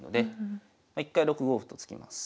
一回６五歩と突きます。